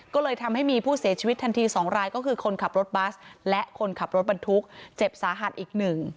ก็เลยทำให้มีผู้เสียชีวิตทันที๒รายก็คือคนขับรถบัสและคนขับรถบรรทุกเจ็บสาหัสอีกหนึ่ง